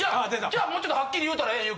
じゃあもうちょっとはっきり言うたらええやん。